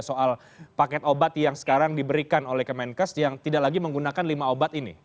soal paket obat yang sekarang diberikan oleh kemenkes yang tidak lagi menggunakan lima obat ini